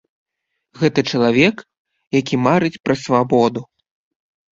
Гэта чалавек, які марыць пра свабоду.